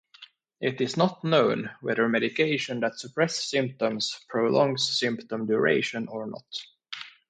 It is not known whether medication that suppress symptoms prolongs symptom duration or not.